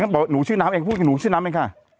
บอกหนูชื่อน้ำเองพูดกับหนูชื่อน้ำเองค่ะ